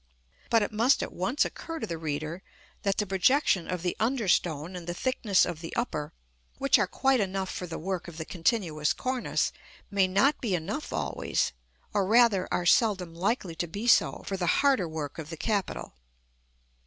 But it must at once occur to the reader, that the projection of the under stone and the thickness of the upper, which are quite enough for the work of the continuous cornice, may not be enough always, or rather are seldom likely to be so, for the harder work of the capital.